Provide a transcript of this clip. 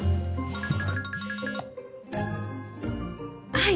はい！